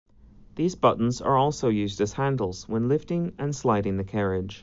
These buttons are also used as handles when lifting and sliding the carriage.